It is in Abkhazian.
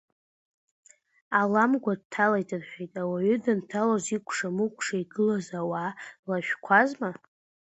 Аламгәа дҭалеит, — рҳәеит ауаҩы, данҭалоз икәша-мыкәша игылаз ауаа лашәқәазма?